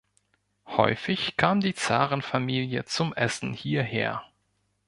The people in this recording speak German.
Häufig kam die Zarenfamilie zum Essen hierher.